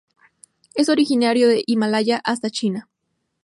Es originario de Himalaya hasta China.